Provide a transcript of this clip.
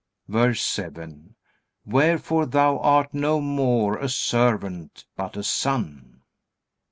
VERSE 7. Wherefore thou art no more a servant, but a son.